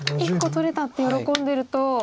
１個取れたって喜んでると。